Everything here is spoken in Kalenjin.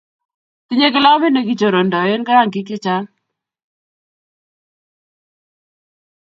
tinyei kilamit ne kichorondoen rangik che chang'